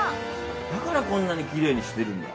だからこんなにきれいにしてるんだ。